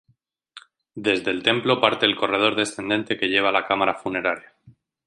Desde el templo parte el corredor descendente que lleva a la cámara funeraria.